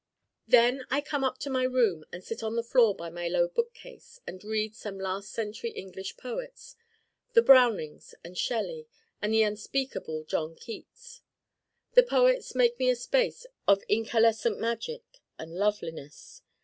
Then I come up to my room and sit on the floor by my low bookcase and read some last century English poets the Brownings and Shelley and the unspeakable John Keats. The Poets make me a space of incalescent magic and loveliness.